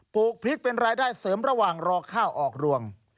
ลูกพริกเป็นรายได้เสริมระหว่างรอข้าวออกรวง